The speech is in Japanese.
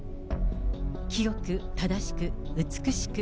清く正しく美しく。